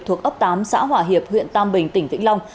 thuộc ấp tám xã hòa hiệp huyện tam bình tỉnh vĩnh long